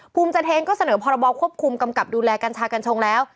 ภูมิใจเทงก็เสนอพรบควบคุมกรรมกับดูแลกัญชากัญชงแล้ว